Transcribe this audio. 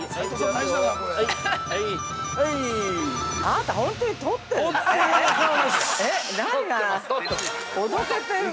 ◆あなた本当に撮ってる？